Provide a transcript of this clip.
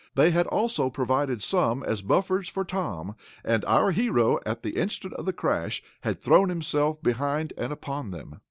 They had also provided some as buffers for Tom, and our hero, at the instant of the crash, had thrown himself behind and upon them.